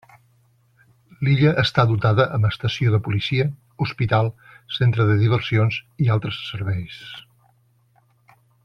L'illa està dotada amb estació de policia, hospital, centre de diversions, i altres serveis.